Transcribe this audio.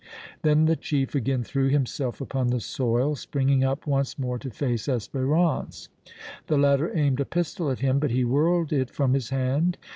Then the chief again threw himself upon the soil, springing up once more to face Espérance. The latter aimed a pistol at him, but he whirled it from his hand.